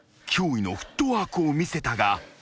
［驚異のフットワークを見せたが］